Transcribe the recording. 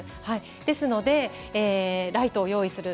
ですので、ライトを用意する。